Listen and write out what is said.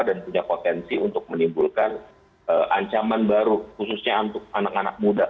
dan punya potensi untuk menimbulkan ancaman baru khususnya untuk anak anak muda